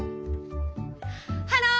ハロー！